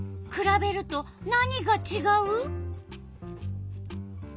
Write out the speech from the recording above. くらべると何がちがう？